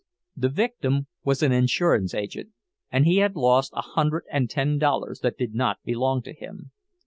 The victim was an insurance agent, and he had lost a hundred and ten dollars that did not belong to him.